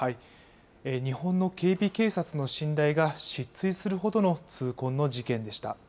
日本の警備警察の信頼が失墜するほどの痛恨の事件でした。